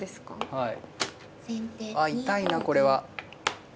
はい。